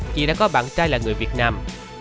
chị đã có bạn trai là người việt nam